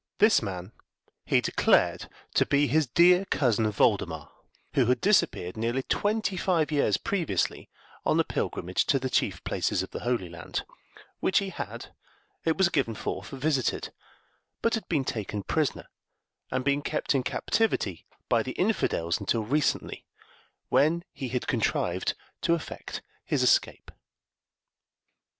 This man he declared to be his dear cousin Voldemar, who had disappeared nearly twenty five years previously, on a pilgrimage to the chief places of the Holy Land; which he had, it was given forth, visited, but had been taken prisoner and been kept in captivity by the infidels until recently, when he had contrived to effect his escape.